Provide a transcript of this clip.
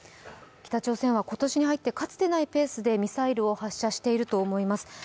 北朝鮮は今年に入ってかつてないペースでミサイルを発射していると思います。